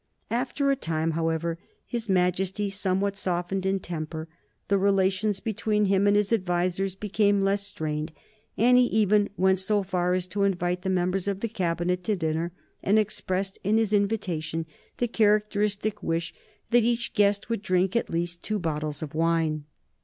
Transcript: After a time, however, his Majesty somewhat softened in temper; the relations between him and his advisers became less strained; and he even went so far as to invite the members of the Cabinet to dinner, and expressed in his invitation the characteristic wish that each guest would drink at least two bottles of wine.